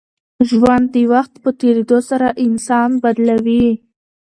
ژوند د وخت په تېرېدو سره انسان بدلوي.